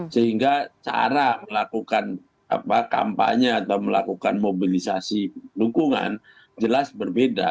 sehingga cara melakukan kampanye atau melakukan mobilisasi dukungan jelas berbeda